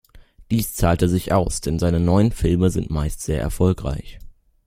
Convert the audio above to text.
Dies zahlte sich aus, denn seine neuen Filme sind meist sehr erfolgreich.